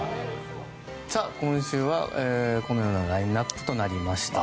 今週はこのようなラインアップとなりました。